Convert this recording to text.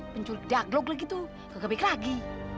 pencuri daglo gitu gak kebaik lagi